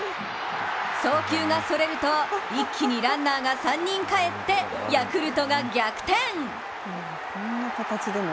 送球がそれると、一気にランナーが３人帰ってヤクルトが逆転。